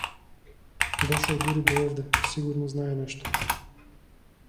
Дошол дури до овде сигурно знае нешто.